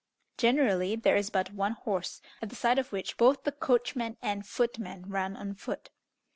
Generally, there is but one horse, at the side of which both the coachman and footman run on foot.